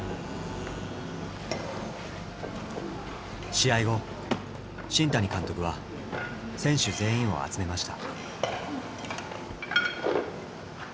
試合後新谷監督は選手全員を集めました。